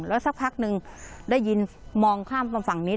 แล้วสักพักหนึ่งได้ยินมองข้ามฝั่งนี้